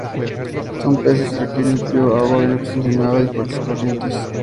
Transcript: Son peces que requieren frío, agua bien oxigenada y fuertes corrientes.